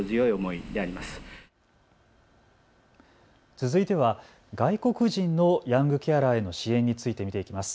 続いては外国人のヤングケアラーへの支援について見ていきます。